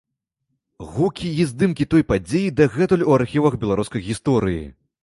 Гукі і здымкі той падзеі дагэтуль у архівах беларускай гісторыі.